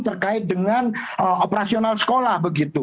terkait dengan operasional sekolah begitu